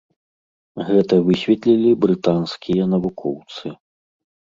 Гэта высветлілі брытанскія навукоўцы.